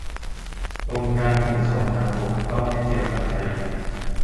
กรมการขนส่งทางบกก็ไม่เกี่ยวกับทะเล